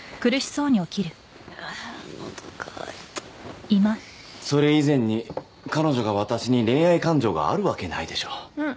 あっのど渇いたそれ以前に彼女が私に恋愛感情があるわけないでしょん？